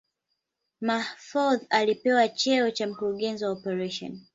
Mahfoudhi alipewa cheo cha Mkurugenzi wa Operesheni